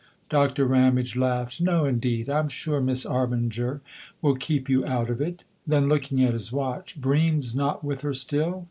Doctor Ramage laughed. " No indeed I'm sure Miss Armiger will keep you out of it." Then look ing at his watch, " Bream's not with her still